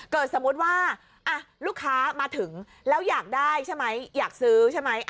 สมมุติว่าลูกค้ามาถึงแล้วอยากได้ใช่ไหมอยากซื้อใช่ไหม